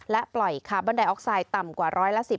และปล่อยคาร์บอนไดออกไซด์ต่ำกว่าร้อยละ๑๐